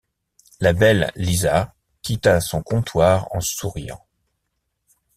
La belle Lisa quitta son comptoir en souriant.